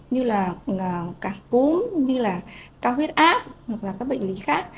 như là cả cúm như là cao huyết áp hoặc là các bệnh lý khác